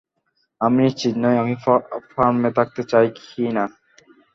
আমি নিশ্চিত নই আমি ফার্মে থাকতে চাই কি-না।